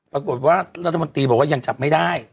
ปรากฏว่ารัฐมนตรีบอกว่ายังจับไม่ได้